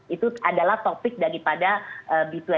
itu adalah topik daripada b dua puluh